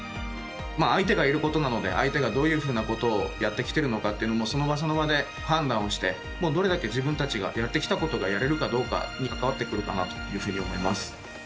相手がいることなので相手がどういうふうなことをやってきてるのかというのをその場、その場で判断をしてどれだけ自分たちがやってきたことがやれるかっていうことに関わってくるかなと思います。